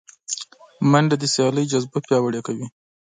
منډه د سیالۍ جذبه پیاوړې کوي